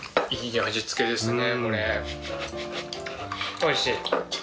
おいしい。